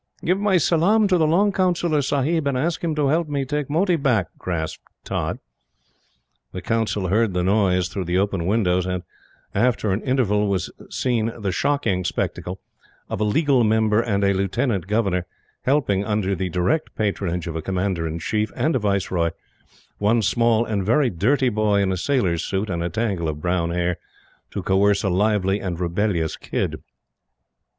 "Give my salaam to the long Councillor Sahib, and ask him to help me take Moti back!" gasped Tods. The Council heard the noise through the open windows; and, after an interval, was seen the shocking spectacle of a Legal Member and a Lieutenant Governor helping, under the direct patronage of a Commander in Chief and a Viceroy, one small and very dirty boy in a sailor's suit and a tangle of brown hair, to coerce a lively and rebellious kid.